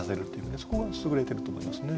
そこがすぐれてると思いますね。